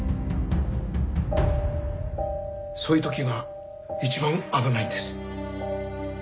そういう時が一番危ないんです。